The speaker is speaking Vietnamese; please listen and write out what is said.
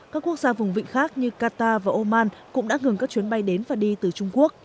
các quốc gia vùng vịnh khác như qatar và oman cũng đã ngừng các chuyến bay đến và đi từ trung quốc